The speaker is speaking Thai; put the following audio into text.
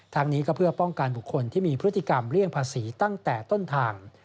ทางนี้ก็เพื่อป้องกันบุคคลที่มีพฤติกรรมเลี่ยงภาษีตั้งแต่ต้นทาง